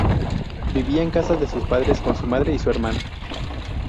Vivía en casa de sus padres con su madre y su hermana.